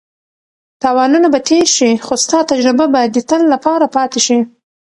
تاوانونه به تېر شي خو ستا تجربه به د تل لپاره پاتې شي.